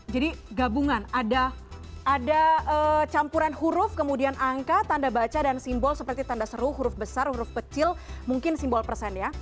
jadi gabungan ada campuran huruf kemudian angka tanda baca dan simbol seperti tanda seru huruf besar huruf kecil mungkin simbol persen ya